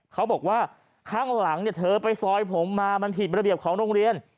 เขาบอกว่าข้างหลังเธอไปซอยผมมามันผิดระเบียบของโรงเรียน